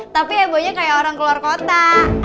tapi hebohnya kayak orang keluar kota